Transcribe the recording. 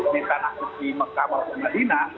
di tanah kutipi mekam dan madinah